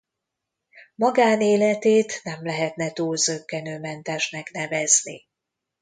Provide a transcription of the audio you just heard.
Magánéletét nem lehetne túl zökkenőmentesnek nevezni.